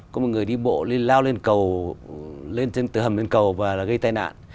có một người đi bộ lao lên cầu lên từ hầm lên cầu và gây tai nạn